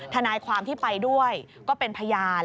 ทนายความที่ไปด้วยก็เป็นพยาน